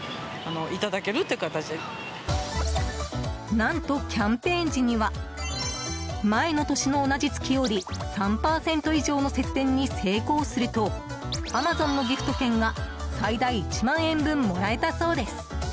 何と、キャンペーン時には前の年の同じ月より３％以上の節電に成功するとアマゾンのギフト券が最大１万円分もらえたそうです。